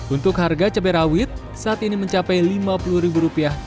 untuk harga cabai rawit saat ini mencapai rp lima puluh